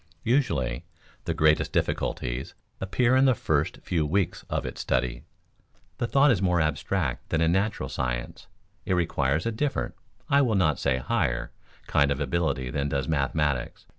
Usually the greatest difficulties appear in the first few weeks of its study. The thought is more abstract than in natural science; it requires a different, I will not say higher, kind of ability than does mathematics.